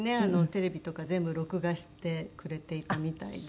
テレビとか全部録画してくれていたみたいで。